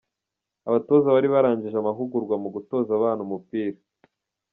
Abatoza bari barangije amahugurwa mu gutoza abana umupira.